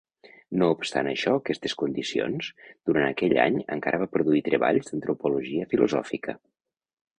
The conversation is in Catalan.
No obstant això aquestes condicions, durant aquell any encara va produir treballs d'antropologia filosòfica.